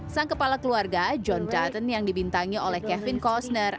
sang kepala keluarga john dutton yang dibintangi oleh kevin costner